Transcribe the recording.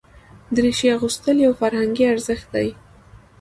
دریشي اغوستل یو فرهنګي ارزښت دی.